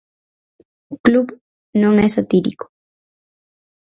Club" non é satírico.